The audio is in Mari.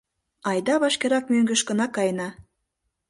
Айда вашкерак мӧҥгышкына каена...